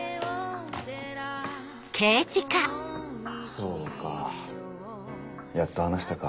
そうかやっと話したか。